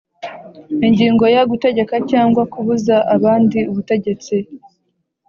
Ingingo ya Gutegeka cyangwa kubuza abandi ubutegetsi